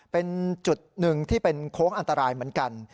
เป็นจุดหนึ่งที่เป็นโค้งอันตรายเหมือนกัน